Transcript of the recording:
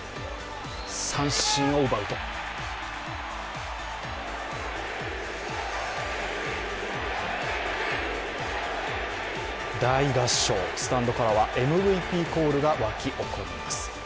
三振を奪うと大合唱、スタンドからはＭＶＰコールが沸き起こります。